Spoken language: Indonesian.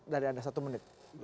dari anda satu menit